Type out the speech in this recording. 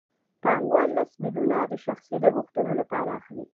پانګوال لس میلیونه د شخصي لګښتونو لپاره اخلي